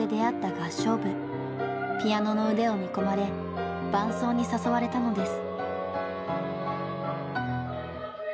ピアノの腕を見込まれ伴奏に誘われたのです。